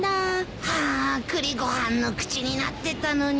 ああ栗ご飯の口になってたのに。